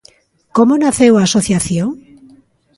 Como naceu a asociación?